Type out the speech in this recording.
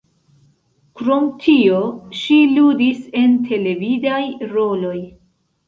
Krom tio ŝi ludis en televidaj roloj.